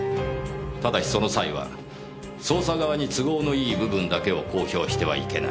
ただしその際は捜査側に都合のいい部分だけを公表してはいけない。